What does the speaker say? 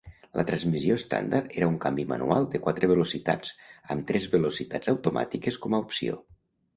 La transmissió estàndard era un canvi manual de quatre velocitats, amb tres velocitats automàtiques com a opció.